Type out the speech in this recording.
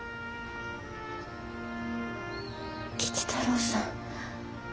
吉太郎さん。